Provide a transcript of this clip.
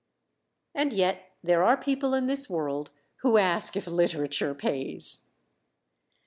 _" And yet there are people in this world who ask if "literature" pays!